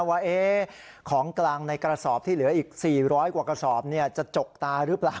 ว่าของกลางในกระสอบที่เหลืออีก๔๐๐กว่ากระสอบจะจกตาหรือเปล่า